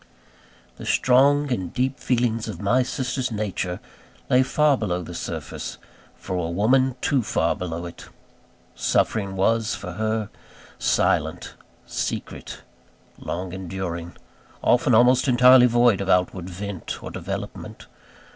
The strong and deep feelings of my sister's nature lay far below the surface for a woman, too far below it. Suffering was, for her, silent, secret, long enduring; often almost entirely void of outward vent or development.